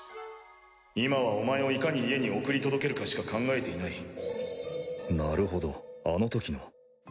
今はお前をいかに家に送り届ける考えていないなるほどあのときの。